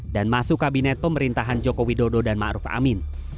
dan masuk kabinet pemerintahan jokowi dodo dan ma'ruf amin